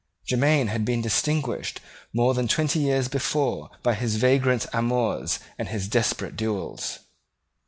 Jermyn had been distinguished more than twenty years before by his vagrant amours and his desperate duels.